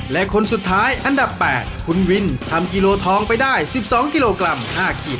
และคนสุดท้ายอันดับ๘คุณวินทำกิโลทองไปได้๑๒กิโลกรัม๕กิโล